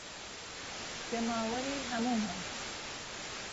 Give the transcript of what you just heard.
جهماوهری ههموومان